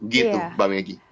gitu mbak megi